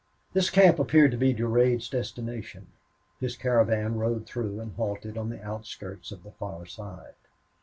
This camp appeared to be Durade's destination. His caravan rode through and halted on the outskirts of the far side.